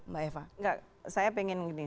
mbak eva enggak saya pengen gini